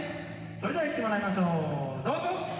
それでは行ってもらいましょうどうぞ！